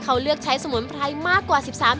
เอาเลยเจอเลยครับ